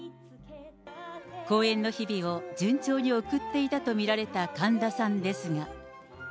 公演の日々を、順調に送っていたと見られた神田さんですが。